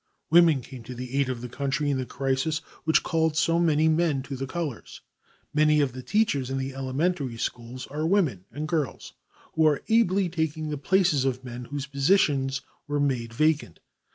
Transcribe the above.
Women came to the aid of the country in the crisis which called so many men to the colors. Many of the teachers in the elementary schools are women and girls, who are ably taking the places of the men whose positions were made vacant.